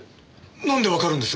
なんでわかるんです？